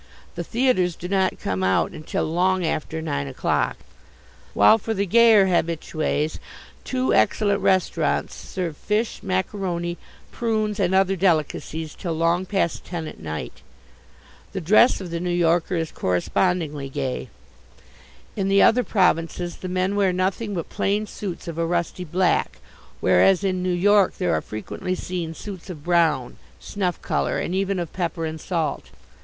The theatres do not come out until long after nine o'clock, while for the gayer habitues two excellent restaurants serve fish, macaroni, prunes and other delicacies till long past ten at night. The dress of the New Yorker is correspondingly gay. In the other provinces the men wear nothing but plain suits of a rusty black, whereas in New York there are frequently seen suits of brown, snuff colour and even of pepper and salt.